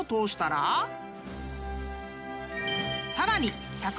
［さらに］